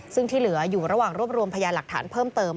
ซึ่งที่เหลืออยู่ระหว่างรวบรวมพยานหลักฐานเพิ่มเติม